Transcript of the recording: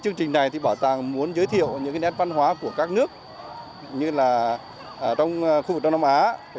chương trình này bảo tàng muốn giới thiệu những nét văn hóa của các nước như là khu vực trong nam á